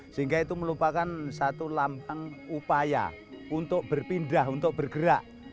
sehingga itu merupakan satu lambang upaya untuk berpindah untuk bergerak